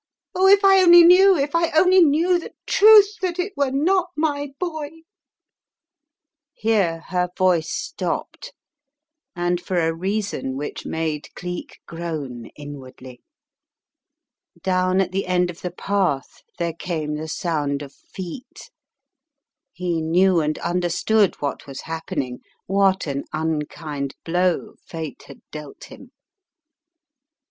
Oh, if I only knew, if I only knew the truth, that it were not my boy !" Here her voice stopped and for a reason which made Cleek groan inwardly. Down at the end of the path there came the sound of feet. He knew and understood what was happen ing, what an unkind blow Fate had dealt him.